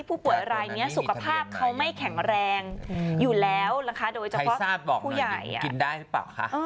ผู้ป่วยที่เป็นเป็นคนได้อ่ะ